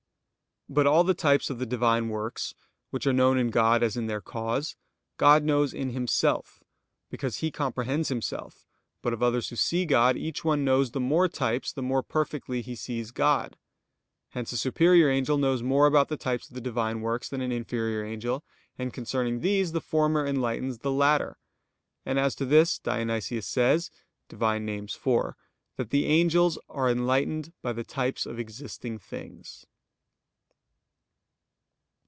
But all the types of the Divine works, which are known in God as in their cause, God knows in Himself, because He comprehends Himself; but of others who see God, each one knows the more types, the more perfectly he sees God. Hence a superior angel knows more about the types of the Divine works than an inferior angel, and concerning these the former enlightens the latter; and as to this Dionysius says (Div. Nom. iv) that the angels "are enlightened by the types of existing things."